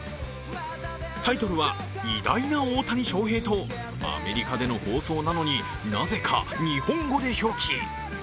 タイトルは偉大な大谷翔平とアメリカでの放送なのになぜか日本語で表記。